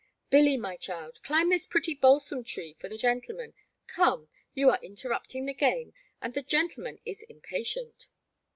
Billy, my child, climb this pretty balsam tree for the gentleman ; come — ^you are interrupting the game, and the gentleman is impatient.